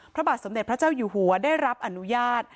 พระบาทสมเด็จพระเจ้าอยู่หัวได้รับอนุญาต